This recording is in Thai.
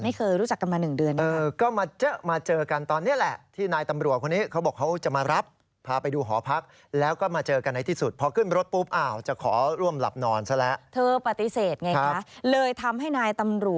ไม่เคยรู้จักกันมาหนึ่งเดือนเนี่ย